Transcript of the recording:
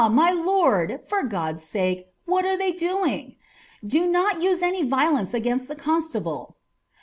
niy lord, for God's sake, what are they.doiug ? Do niX use any violence againut the constable."